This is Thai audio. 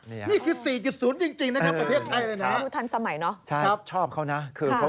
นี่คือ๔๐จริงนะครับประเทศไทยเลยนะครับ